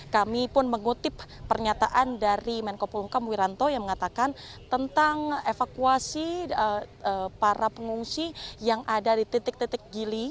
kami pun mengutip pernyataan dari menko pulkam wiranto yang mengatakan tentang evakuasi para pengungsi yang ada di titik titik gili